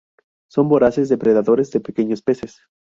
Son voraces depredadores de pequeños peces.